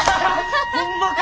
ホンマか！